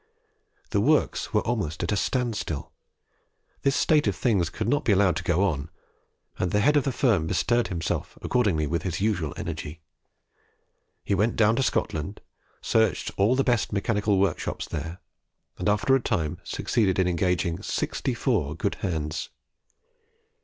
The works were almost at a standstill. This state of things could not be allowed to go on, and the head of the firm bestirred himself accordingly with his usual energy. He went down to Scotland, searched all the best mechanical workshops there, and after a time succeeded in engaging sixty four good hands.